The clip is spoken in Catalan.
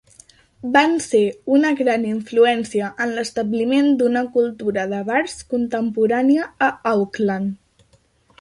Van ser una gran influència en l'establiment d'una cultura de bars contemporània a Auckland.